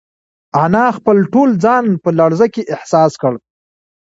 انا خپل ټول ځان په لړزه کې احساس کړ.